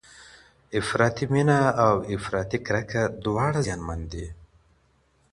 افراطي مینه او افراطي کرکه دواړه زیانمن دي.